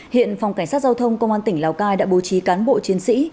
hiện phòng cảnh sát giao thông công an tỉnh lào cai đã bố trí cán bộ chiến sĩ